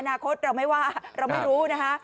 คตเราไม่ว่าเราไม่รู้นะคะ